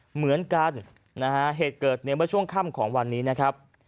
เหมือนกันนะฮะเหตุเกิดในเมื่อช่วงค่ำของวันนี้นะครับ